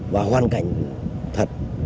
và hoàn cảnh thật